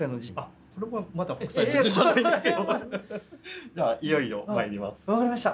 ではいよいよまいります。